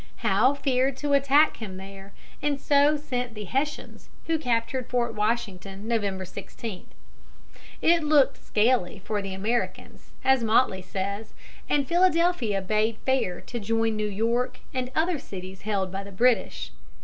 Howe feared to attack him there, and so sent the Hessians, who captured Fort Washington, November 16. It looked scaly for the Americans, as Motley says, and Philadelphia bade fair to join New York and other cities held by the British.